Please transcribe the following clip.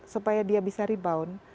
supaya dia bisa rebound